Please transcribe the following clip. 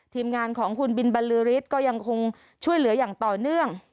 ทีมงานของคุณบินบรรลือฤทธิ์ก็ยังคงช่วยเหลืออย่างต่อเนื่อง